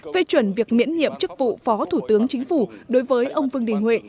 về chuẩn việc miễn nhiệm chức vụ phó thủ tướng chính phủ đối với ông vương đình huệ